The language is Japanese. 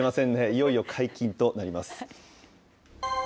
いよいよ解禁となります。